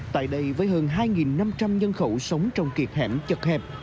tại đây với hơn hai năm trăm linh nhân khẩu sống trong kịp hẻm chật hẹp